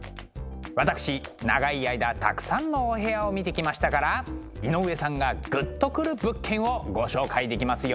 私長い間たくさんのお部屋を見てきましたから井上さんがグッとくる物件をご紹介できますよ。